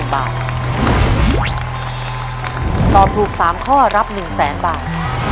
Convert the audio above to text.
ถ้าตอบถูก๓ข้อรับ๑๐๐๐๐๐บาท